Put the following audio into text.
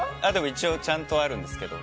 一応ちゃんとあるんですけど。